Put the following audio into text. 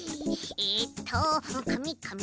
えっとかみかみ。